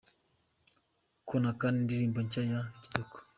Kano Kana, indirimbo nshya ya Kitoko.